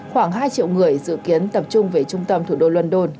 khoảng hai triệu người dự kiến tập trung về trung tâm thủ đô london